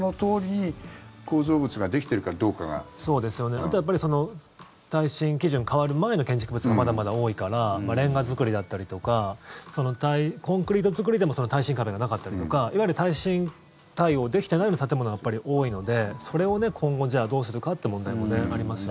あとはやっぱり耐震基準変わる前の建築物がまだまだ多いからレンガ造りだったりとかコンクリート造りでも耐震壁がなかったりとかいわゆる耐震対応できてない建物がやっぱり多いのでそれを今後どうするかって問題もありますよね。